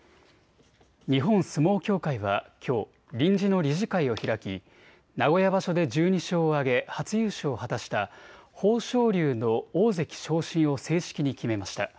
日本相撲協会はきょう臨時の理事会を開き名古屋場所で１２勝を挙げ初優勝を果たした豊昇龍の大関昇進を正式に決めました。